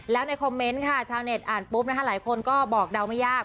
แล้วในคอมเมนต์ค่ะชาวเน็ตอ่านปุ๊บนะคะหลายคนก็บอกเดาไม่ยาก